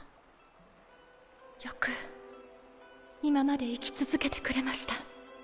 よく今まで生き続けてくれました。